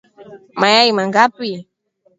Mayai mangapi?